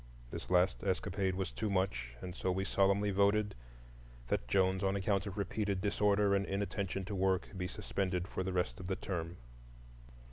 This last escapade was too much, and so we solemnly voted "that Jones, on account of repeated disorder and inattention to work, be suspended for the rest of the term."